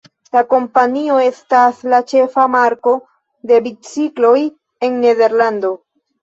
La kompanio estas la ĉefa marko de bicikloj en Nederlando.